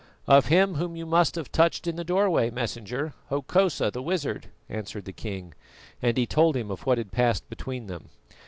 "Of him whom you must have touched in the door way, Messenger, Hokosa the wizard," answered the king, and he told him of what had passed between them.